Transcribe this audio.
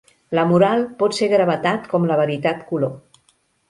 La moral pot ser gravetat com la veritat color.